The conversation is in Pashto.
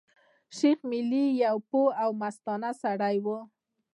شېخ ملي يو پوه او مستانه سړی وو.